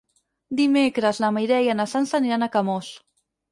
Dimecres na Mireia i na Sança aniran a Camós.